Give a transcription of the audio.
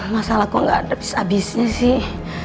masalah kok nggak habis habisnya sih